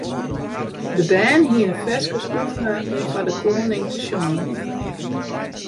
De bern hiene ferskes oefene om foar de koaning te sjongen.